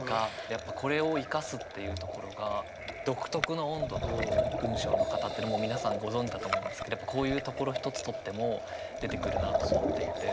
やっぱこれを生かすっていうところが独特の温度の文章の方っていうのはもう皆さんご存じだと思うんですけどこういうところ一つとっても出てくるなと思っていて。